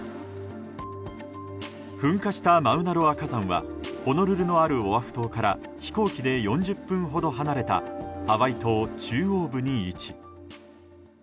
噴火したマウナロア火山はホノルルのあるオアフ島から飛行機で４０分ほど離れたハワイ島中央部に位置。